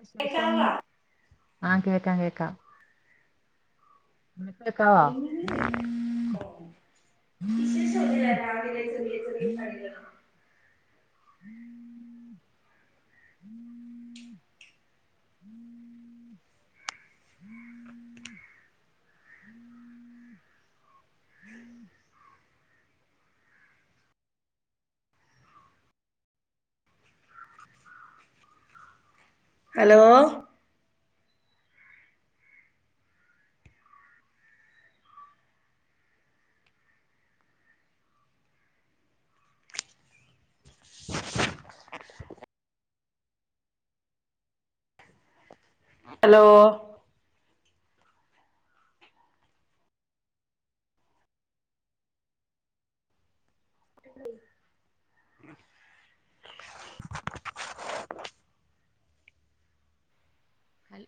വിശേഷം കേക്കാവാ ആ കേ ക്കാം കേക്കാം. നിനക്ക് കേക്കാവോ ഒന്നും ഇല്ല വിശേഷം ഒന്നുല്ല രാവിലെ ചെറിയ ചെറിയ പണികള് ഹലോ ഹലോ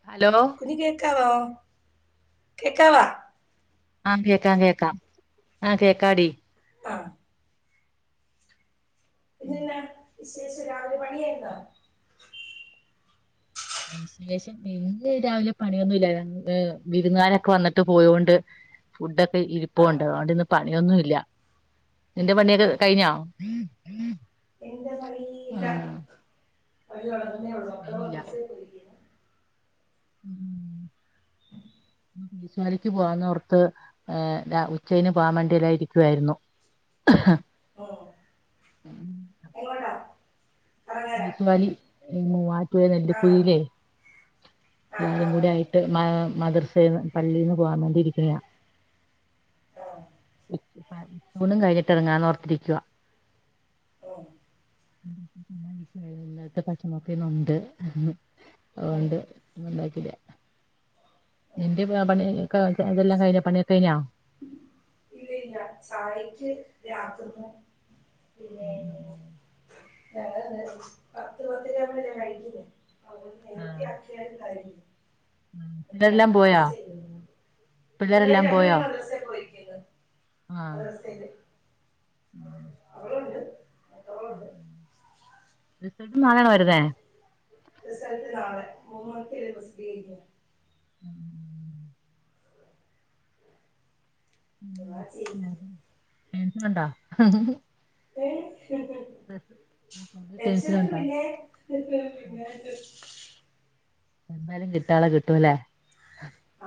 ഹൽ ഹലോ കുഞ്ഞി കേക്കാവോ? കേക്കാവോ? ആ കേക്കാം കേക്കാം ആ കേക്കാടി. ആ പിന്നെ എന്നാ വിശേഷം രാവിലെ പണിയായിരുന്നോ? വിശേഷം ഇന്ന് രാവിലെ പണിയൊന്നും ഇല്ലായിരുന്നു ഏഹ് വിരുന്നുകാരൊക്കെ വന്നിട്ട് പോയോണ്ട് ഫുഡൊ ടെ ആ ഇരിപ്പുണ്ട് അതൊണ്ട് ഇന്ന് പ പണിയൊന്നും ഇല്ല നിന്റെ പണിയൊക്കെ ആ കഴിഞ്ഞോ [inaudible] പണി തൊടങ്ങ് ആഹ് ന്നെ ഒള്ളൂ മക്കൾ ഇല്ല മദ്രസെ പോയിരിക്കാ വിശാലിക്ക് പോവാന്ന് ഒർത്ത് ഏ രാ ഉച്ചയ്ൻ പോവാമാണ്ടി എല്ലാം ഇരിക്കുവായിരുന്നു ഉം എങ്ങോട്ടാ കറങ്ങാനാ വിശ്വലി [unintelligible] [unintelligible] ആ നെല്ലികുഴിയിലേ ആ ആ എല്ലാരും കൂടി ആ ആയിട്ട് മ മതിർ [unintelligible] പള്ളിന്ന് പോകാൻ വേണ്ടിരിക്കണയാ ആ ഊണും കഴിഞ്ഞിട്ടിറങ്ങാന്ന് ഓർത്തിരിക്കുവ ഉം ഇല്ലട്ടത്തെ പച്ചമുക്കിന്നുണ്ട് എന്ന് ഉം അഒണ്ട് ഉണ്ടാക്കില്ല ഉം നിന്റെ പ പണി ക അതെല്ലാം കഴിഞ്ഞ പണി കഴിഞ്ഞാ ഇല്ല ഇല്ല ചായക്ക് [unintelligible] ഉം പിന്നെ ഉം [unintelligible] പത്ത് പത്തരാവുമ്പല്ലേ കഴിക്കുന്നേ അപ്പോ ആ നേരത്തെ അക്കിയാലും [unintelligible] ഞാൻ പിള്ളേരെല്ലാം പോയോ നമസ് [unintelligible] ചെയ്യുന്നു പിള്ളേര് പിള്ളേരെല്ലാം രണ്ടു പോയോ പേരും മദ്രസേ പോയി ക്കെന്ന് ആ മദ്രസയില് അവളുണ്ട് അവളുണ്ട് റിസൾട്ട് നാളെയാണോ വര്ന്നേ റിസൾട്ട് നാളെ [unintelligible] ഉം ദുആ ചെയ് ഉം ന്ന്ണ്ടാ ഏഹ്‌ [unintelligible] ടെൻഷനുണ്ടോ പിന്നെ [unintelligible] എന്തായാലും കിട്ടാളെ കിട്ടൂല്ലേ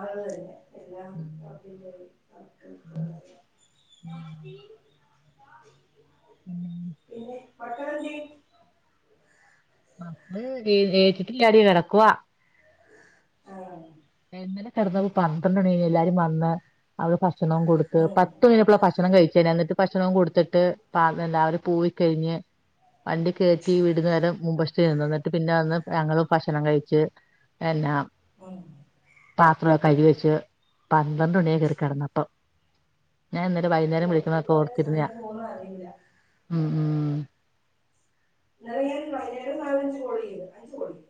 അതെ അത് തന്നെ എല്ലാം അതി [unintelligible] [unintelligible] പിന്നെ പിന്നെ കപ്പലണ്ടി മമ്മള് ഏ ഏറ്റിട്ടില്ലാടി കെടക്കുവാ ആ ഇന്നലെ കെടന്നത് പന്ത്രണ്ടണിയായി എല്ലാരും വന്ന് അവര് ഭക്ഷ് ഭക്ഷണംവും കൊടുത്ത് ഉം പത്ത് മണിയായപ്പ ഭക്ഷണം കഴിച്ച എന്നിട്ട് ഭക്ഷണവും കൊടുത്തിട്ട് പ എല്ലാരും പോയിക്കഴിഞ്ഞ് വണ്ടി കേറ്റി വീടുന്ന നേരം മുമ്പ് ചീന്നിട്ട് പിന്നെ അന്ന് ഞങ്ങള് ഭക്ഷണം കഴിച്ച് എന്നാ ഉം പാത്രവൊക്കെ കഴികിവെച്ച് പന്ത്രണ്ട് മണിയൊക്കെ കേറി കിടന്നപ്പം ഞാൻ ഇന്നേരം വൈകുന്നേരം രാവിലെ വിളിക്കുന്നപ്പോ പിന്നെ ഓർത്തിരുന്ന സമയം പോകുന്ന അറിയില്ല ഉം ഉം ഇന്നലെ വൈന്നേരം നാലഞ്ച കോള് ചെയ്ത് അഞ്ച് കോൾ ചെയ്ത്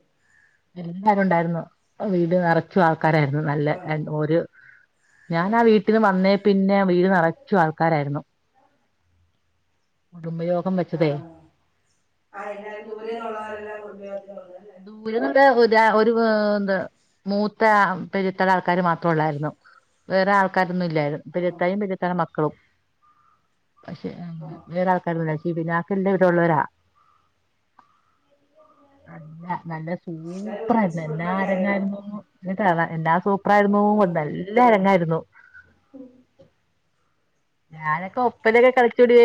വിരുന്നുകാര് ഉണ്ടായിരുന്നുവീട് നിറച്ച ആൾക്ക കരയാർന്നു നല്ല ആ ഞാൻ ഓര് ഞാൻ ആ വീട്ടീന്ന് വന്നേ പിന്നെ വീട് നിറച്ചു ആൾക്കാരായിരുന്നു കുടുംബയോഗം ആ വെച്ചതേ അയലത്തുപുരിയുള്ളവരെല്ലാം കുടുംബ യോഗത്തിന് [unintelligible] എന്ത് മൂത്ത പെരിയത്തെടെ ആൾക്കാര് മാത്ര ഉള്ളായിരുന്നു വേറെ ആൾക്കാർ ഒന്നുല്ലായിരിന്നു ആ പെരിയത്തായും പെരിയത്താടെ മക്കളും പക്ഷെ ആ വേറെ ആൾക്കാര്ണ്ടായില്ല [unintelligible] ഇവിടെള്ളോരാ അല്ല നല്ല എല്ലാവരും ഒരുമിച്ച് സൂപ്പറായിട്ട് കുടുംബമല്ലേ ആരായിരുന്നു എല്ലാരങ്ങായിരുന്നു എന്താന്നൊ എല്ലാ സു അഭിപ്രായിരുന്നു ഉം. നല്ല അരങ്ങായിരുന്നു ഞാനൊക്കെ ഒപ്പനൊക്കെ കളിച്ചുടെ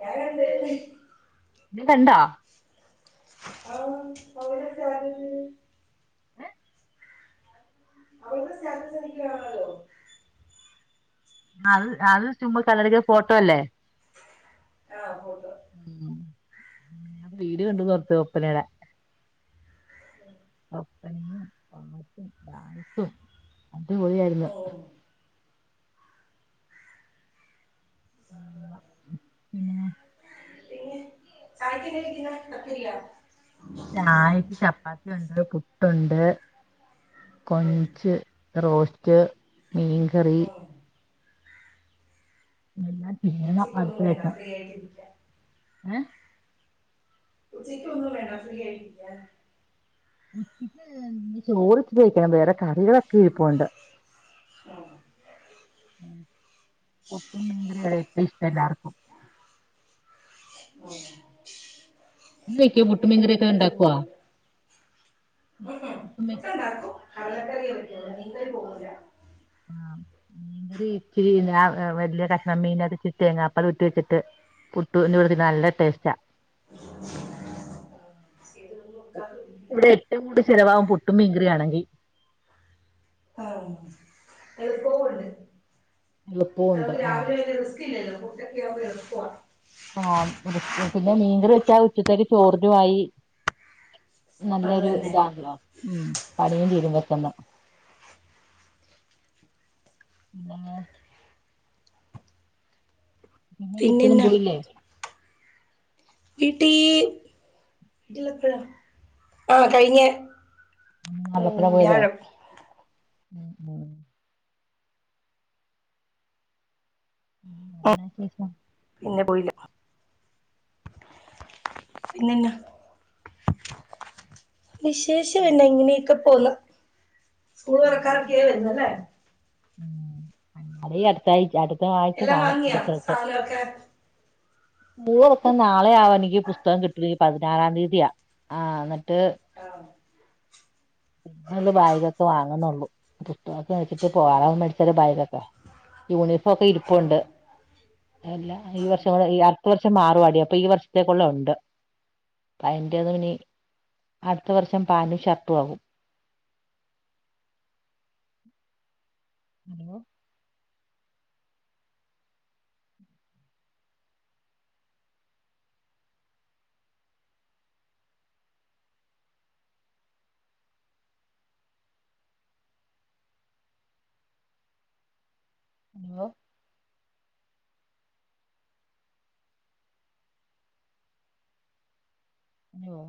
വേറെന്ത് ഇജ് കണ്ടാ ആ അവരൊക്കെ ആര്ത് [inaudible] അത് അത് ചുമ്മാ [unintelligible] ഫോട്ടോ അല്ലേ ആഹ് ഫോട്ടോ ഉം വീഡിയോ കണ്ട് നോക്ക് ഒപ്പനേടെ [inaudible] പാട്ടും ഡാൻസും അടിപൊളിയാരുന്നു ഉം. ഉം പിന്നെ [inaudible] ചായക്ക് ചപ്പാത്തി ഒണ്ട് പു പുട്ടുണ്ട് ഉം. കൊഞ്ച് റോസ്റ്റ് മീൻ കറി ഉം. എന്ന പിന്നേം നമ്മ ഉച്ചയ്ക്കൊന്നും എടുത്ത് വേണ്ട വെയ്ക്കാം. ഫ്രീ ആയിട്ടിരിക്കാം ഏ ഉച്ചക്ക് ഒന്നും വേണ്ട ഫ്രീ ആയിട്ടിരിക്കാന്ന്. ചോറിത്തിരി വെയ്ക്കണം വേറെ കറികളൊക്കെ ഇരിപ്പുണ്ട്. ഇഷ്ടം എല്ലാർക്കും. കുട്ടിന് [unintelligible] മുട്ടു മീൻ കറി ഒക്കെ ഇണ്ടാക്കുവാ. മീൻകറിയൊന്നും ഇല്ല കടല കറി പറ്റു മീൻ കറി പോകില്ല. ആ മീൻ പിന്നെ വലിയ കഷ്ണം മീൻ [unintelligible] തേങ്ങാപ്പാൽ ഇട്ട് വെച്ചിട്ട് പുട്ടു [unintelligible] നല്ല ടേസ്റ്റാ. ഇതൊന്നും കറിയില്ല ഇവിടെ ഏറ്റവും കൂടി ചിലവാവും പുട് പുട്ടും മീൻകറി ആണെങ്കി ആ എപ്പോ ഉണ്ട്. എളുപ്പുണ്ട് നമുക്ക് ആ രാവിലെ [unintelligible] ആഹ് പിന്നെ മീൻകറി വെച്ചാ ഉച്ചത്തേക്ക് ചോറിനു ആയി. അത് നല്ലൊരു തന്നെ ഇതാണല്ലോ ഉം പണിയും തീരുവേ [unintelligible] [unintelligible] വീട്ടൊന്നും പിന്നെന്നാ പോയില്ലേ? വീട്ടീ ട്ടിലെപ്പഴാ ആഹ് കഴിഞ്ഞ ഉം ആലപ്പുഴ പോയതോ വ്യാഴം ഉം ഉം ഉം എന്നാ ശേഷം? പിന്നെ പോയില്ല പിന്നന്നാ വിശേഷം എന്നാ ഇങ്ങനെയൊക്കെ പോവ്ന്ന് സ്കൂൾ തൊറക്ക [unintelligible] വരുന്നല്ലേ? ഉം അതീ അടുത്താഴ്ച അട് എല്ലാം വാങ്ങിയോ സാധനൊക്കെ? ഉവ്വ് അപ്പൊ നാളെയാ ആവോ എനിക്ക് പുസ്തകം [unintelligible] പതിനാറാം തീയതിയാ ആ ന്ന് ആഹ്. [unintelligible] ബൈഗൊക്കെ വാങ്ങുന്നൊള്ളു പുസ്തകൊക്കെ വച്ചിട്ട് ഉം പോവാറാവു മേടിച്ചാല് ബൈഗൊക്കെ യൂണ് ക്കെ ഉം ഇരിപ്പുണ്ട് ഇല്ല ഈ ഉം വർഷം കൂടെ [unintelligible] അടുത്ത വർഷം മാറുവാടി അപ്പൊ ഈ വർഷത്തേക്കുള്ള ഒണ്ട് അപ്പ അതിൻ്റെ ഇനി അടുത്ത വർഷം പാൻും ഷർട്ടും ആകും. Hello hello hello